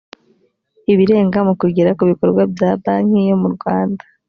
ibirenga mu kugera ku bikorwa bya banki yo murwanda